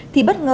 thì bất ngờ